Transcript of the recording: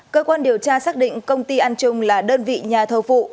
cơ quan điều tra xác định công ty an trung là đơn vị nhà thầu phụ